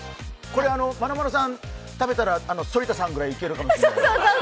まなまるさん、食べたら反田さんぐらいいけるかもしれない。